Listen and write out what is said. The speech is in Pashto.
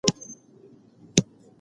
موږ غواړو پرمختګ وکړو.